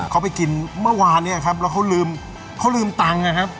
เขาไปกินเมื่อวานเนี่ยครับแล้วเขาลืมเขาลืมตังค์นะครับ